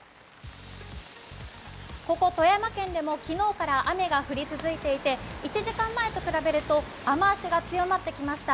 ここ富山県でも昨日から雨が降り続いていて、１時間前と比べると雨足が強まってきました